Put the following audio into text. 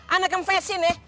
anak kempesin ya